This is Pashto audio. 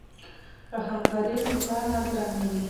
که همکاري وي نو کار نه درنیږي.